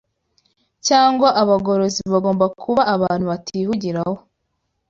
cyangwa abagorozi bagomba kuba abantu batihugiraho